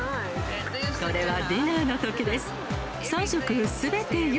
これはディナーのときです。